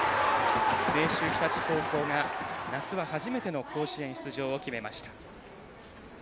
明秀日立高校が夏は初めての甲子園出場を決めました。